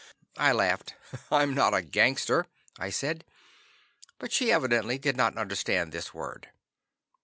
I laughed. "I'm not a gangster," I said. But she evidently did not understand this word.